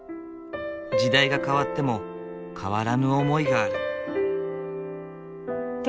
時代が変わっても変わらぬ思いがある。